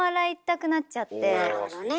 なるほどね。